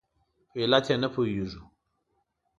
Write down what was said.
په علت یې نه پوهېږو.